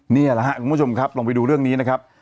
นี่แหละครับคุณผู้ชมครับลองไปดูเรื่องนี้นะครับ